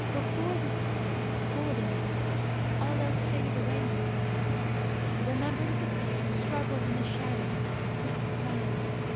Before this woman, full of enigmas, all else faded away in his mind. The remembrance of Dea struggled in the shadows with weak cries.